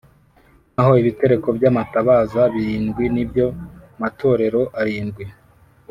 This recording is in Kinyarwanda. naho ibitereko by’amatabaza birindwi ni byo matorero arindwi.